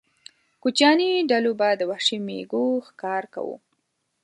کوچیاني ډلو به د وحشي مېږو ښکار کاوه.